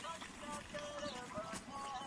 ya kusaka amani katika eneo la mashariki ya kati